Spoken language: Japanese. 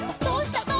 どうした？」